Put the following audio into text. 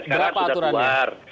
sekarang sudah luar